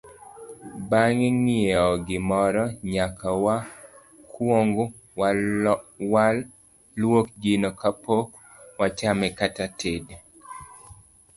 Bang' ng'iewo gimoro, nyaka wakwong walwok gino kapok wachame kata tedo.